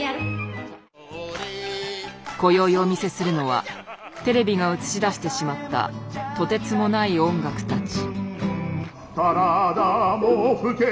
こよいお見せするのはテレビが映し出してしまったとてつもない音楽たち。